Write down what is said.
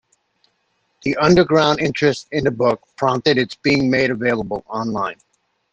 The underground interest in the book prompted its being made available on-line.